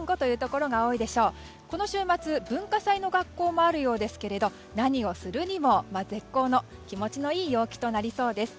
この週末、文化祭の学校もあるようですけども何をするにも絶好の気持ちのいい陽気となりそうです。